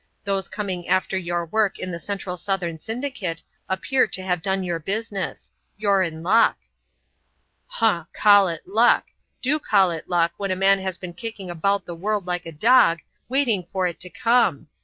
Those coming after your work on the Central Southern Syndicate appear to have done your business. You're in luck." "Huh! call it luck! Do call it luck, when a man has been kicking about the world like a dog, waiting for it to come!